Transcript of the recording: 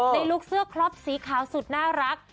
ลูกเสื้อครอบสีขาวสุดน่ารัก